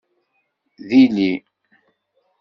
D illi.